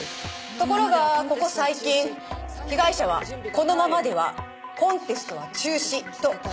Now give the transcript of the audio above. ところがここ最近被害者はこのままではコンテストは中止と話していたそうです。